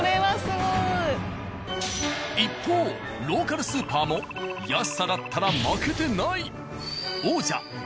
一方ローカルスーパーも安さだったら負けてない！